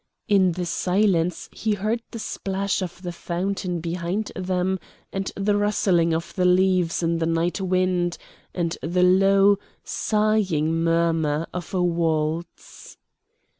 In the silence he heard the splash of the fountain behind them, and the rustling of the leaves in the night wind, and the low, sighing murmur of a waltz.